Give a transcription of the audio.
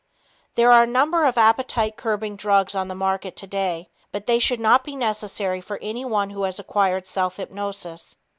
There are a number of appetite curbing drugs on the market today, but they should not be necessary for anyone who has acquired self hypnosis.